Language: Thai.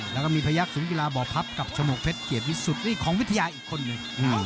แล้วก็มีพระยักษณ์ศูนย์กีฬาบ่อพับกับชมกเพชรเกลียดวิสุทธิ์ของวิทยาอีกคนหนึ่ง